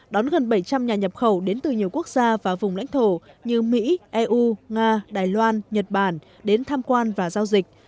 đón gần bảy trăm linh nhà nhập khẩu đến từ nhiều quốc gia và vùng lãnh thổ như mỹ eu nga đài loan nhật bản đến tham quan và giao dịch